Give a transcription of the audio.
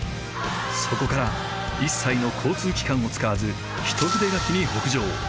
そこから一切の交通機関を使わず一筆書きに北上。